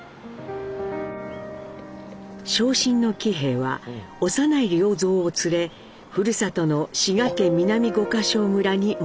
傷心の喜兵衛は幼い良三を連れふるさとの滋賀県南五個荘村に戻ります。